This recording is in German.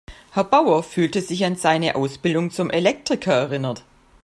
Herr Bauer fühlte sich an seine Ausbildung zum Elektriker erinnert.